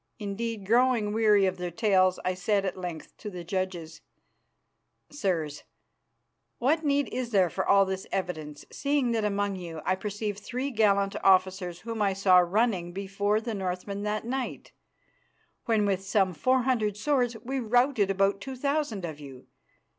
Indeed, growing weary of their tales, I said at length to the judges, "Sirs, what need is there for all this evidence, seeing that among you I perceive three gallant officers whom I saw running before the Northmen that night, when with some four hundred swords we routed about two thousand of you?